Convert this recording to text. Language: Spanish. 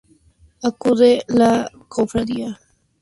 Acude la cofradía arandina del Cristo del Milagro, desfilando.